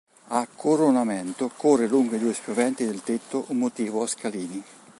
A coronamento corre lungo i due spioventi del tetto un motivo a scalini.